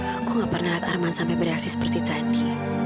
aku gak pernah lihat arman sampai bereaksi seperti tadi